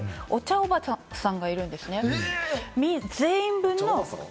おばさんがいるんですね、全員分の。